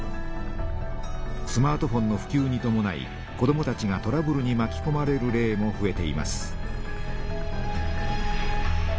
スマートフォンのふきゅうにともない子どもたちがトラブルにまきこまれる例もふえています。